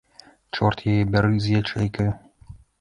Чорт яе бяры з ячэйкаю.